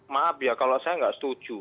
maaf ya kalau saya nggak setuju